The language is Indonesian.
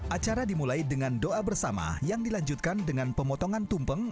acara dimulai dengan doa bersama yang dilanjutkan dengan pemotongan tumpeng